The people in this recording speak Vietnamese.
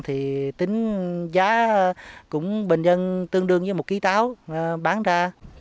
thì tính giá cũng bình dân tương đương với một ký táo bán ra